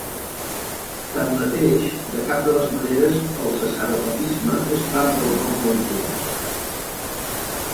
Tanmateix, de cap de les maneres el cesaropapisme és part del dogma ortodox.